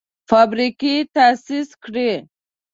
فابریکې تاسیس کړي.